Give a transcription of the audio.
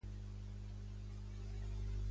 Els d'Encamp, peals.